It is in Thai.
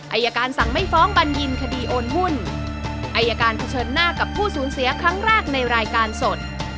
อายการสั่งไม่ฟ้องบัญญินคดีโอนหุ้นอายการเผชิญหน้ากับผู้สูญเสียครั้งแรกในรายการสด